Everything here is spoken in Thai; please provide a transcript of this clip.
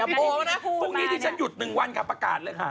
พรุ่งนี้ผมจะหยุด๑วันที่มันก็ประกาศเลยค่ะ